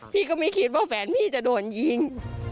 พี่ก็ไม่คิดว่าแฟนพี่จะโดนยิง